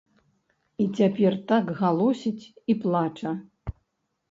І цяпер так галосіць і плача.